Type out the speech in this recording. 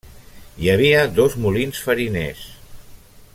Hi havia dos molins fariners.